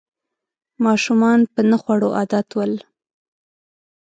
ماشومان په نه خوړو عادت ول